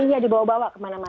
iya dibawa bawa kemana mana